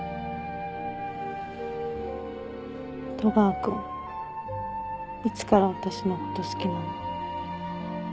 戸川君いつから私のこと好きなの？